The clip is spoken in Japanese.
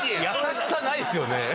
優しさないですよね。